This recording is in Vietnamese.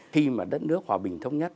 khi mà đất nước hòa bình thông nhất